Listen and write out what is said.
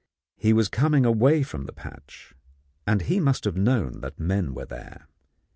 He was coming away from the patch, and he must have known that the men were there.